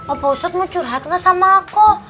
opa ustadz mau curhat gak sama aku